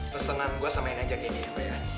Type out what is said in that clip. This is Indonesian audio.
pesanan gua sama ini aja kayak gini